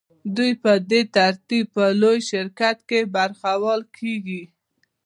دوی په دې ترتیب په لوی شرکت کې برخوال کېږي